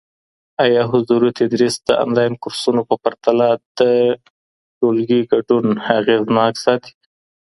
ايا حضوري تدريس د انلاين کورسونو په پرتله د ټولګي ګډون اغېزناک ساتي؟